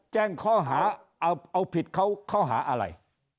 แจ้งข้อหาเอาผิดเขาข้อหาอะไร